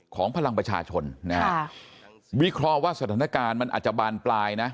พลังประชาชนนะฮะวิเคราะห์ว่าสถานการณ์มันอาจจะบานปลายนะ